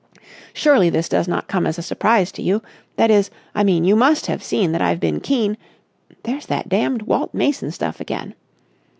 Surely this does not come as a surprise to you? That is, I mean, you must have seen that I've been keen.... There's that damned Walt Mason stuff again!"